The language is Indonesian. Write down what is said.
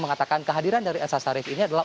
mengatakan kehadiran dari elsa sharif ini adalah